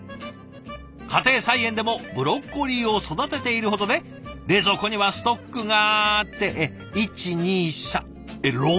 家庭菜園でもブロッコリーを育てているほどで冷蔵庫にはストックがって１２３えっ６株！？